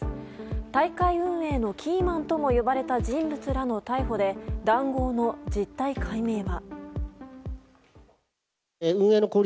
大会運営のキーマンとも呼ばれた人物らの逮捕で談合の実態解明は。